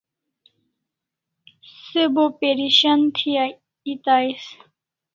Se bo perishan thi eta ais